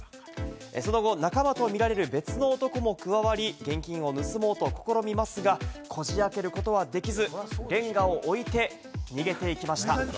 その後、仲間とみられる別の男も加わり、現金を盗もうと試みますがこじ開けることはできず、レンガを置いて逃げていきました。